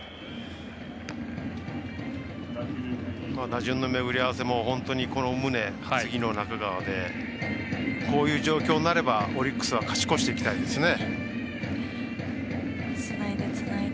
打順の巡り合わせも宗、次の中川でこういう状況になればオリックスは勝ち越していきたいですね。